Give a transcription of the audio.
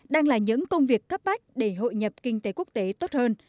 đang là những công việc cấp bách để hội nhập kinh tế quốc tế tốt hơn